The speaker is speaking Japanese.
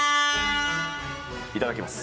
いただきます。